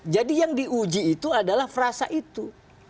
jadi yang diuji itu adalah frasa itu